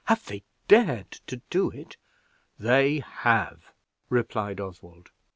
"Have they dared to do it?" "They have," replied Oswald.